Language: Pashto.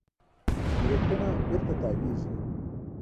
بریتونونه بېرته تاوېږي.